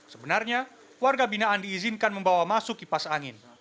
sebenarnya warga binaan diizinkan membawa masuk kipas angin